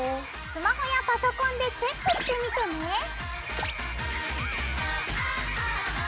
スマホやパソコンでチェックしてみてね。